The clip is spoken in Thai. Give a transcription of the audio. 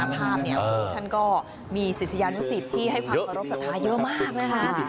อย่างนึงท่านก็มีศิษยานุสิตที่ให้ความรับสัตว์ท้ายเยอะมากเลยค่ะ